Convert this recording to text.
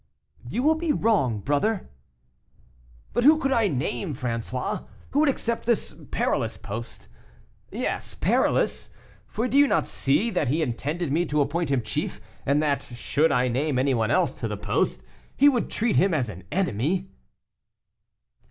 "You will be wrong, brother." "But who could I name, François? who would accept this perilous post? Yes, perilous; for do you not see that he intended me to appoint him chief, and that, should I name any one else to the post, he would treat him as an enemy?"